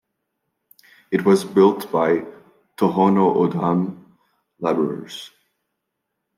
It was built by Tohono O'odham laborers.